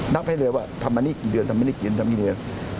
นับให้เรียกว่าทำอันนี้กี่เดือนทำอันนี้กี่เดือนทำอันนี้กี่เดือน